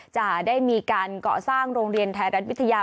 จะได้มีการเกาะสร้างโรงเรียนไทยรัฐวิทยา